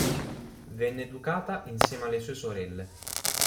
Venne educata insieme alle sue sorelle.